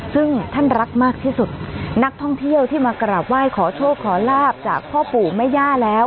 ซึ่งท่านรักมากที่สุดนักท่องเที่ยวที่มากราบไหว้ขอโชคขอลาบจากพ่อปู่แม่ย่าแล้ว